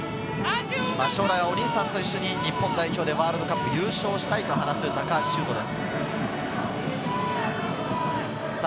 将来はお兄さんと一緒に日本代表でワールドカップ優勝したいと話す、高橋修斗です。